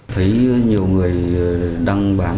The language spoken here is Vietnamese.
thấy nhiều người đăng bán